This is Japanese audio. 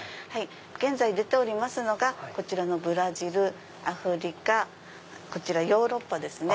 現在出ておりますのがブラジルアフリカこちらヨーロッパですね。